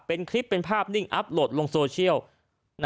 เป็นคลิปเป็นภาพนิ่งอัพโหลดลงโซเชียล